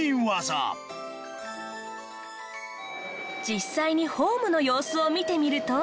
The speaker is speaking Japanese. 実際にホームの様子を見てみると。